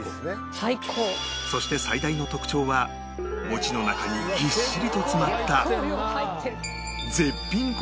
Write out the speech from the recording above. そして最大の特徴は餅の中にぎっしりと詰まった絶品こしあん